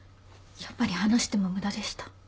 やっぱり話しても無駄でした。